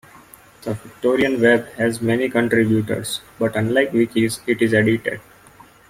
The Victorian Web has many contributors, but unlike wikis, it is edited.